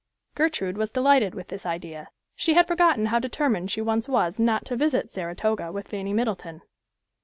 Gertrude was delighted with this idea. She had forgotten how determined she once was not to visit Saratoga with Fanny Middleton.